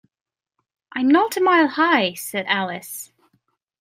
‘I’m not a mile high,’ said Alice.